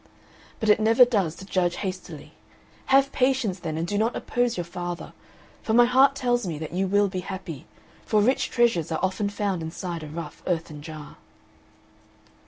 But it never does to judge hastily. Have patience then and do not oppose your father; for my heart tells me that you will be happy, for rich treasures are often found inside a rough earthen jar."